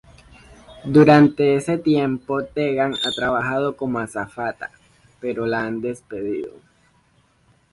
Durante ese tiempo, Tegan ha trabajado como azafata, pero la han despedido.